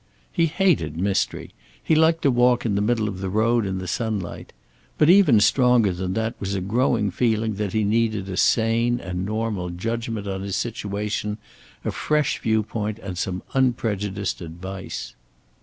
He hated mystery. He liked to walk in the middle of the road in the sunlight. But even stronger than that was a growing feeling that he needed a sane and normal judgment on his situation; a fresh viewpoint and some unprejudiced advice.